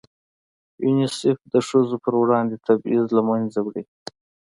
یونیسف د ښځو په وړاندې تبعیض له منځه وړي.